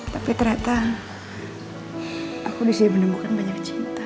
tapi ternyata aku masih menemukan banyak cinta